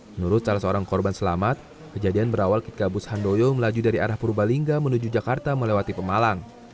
menurut salah seorang korban selamat kejadian berawal ketika bus handoyo melaju dari arah purbalingga menuju jakarta melewati pemalang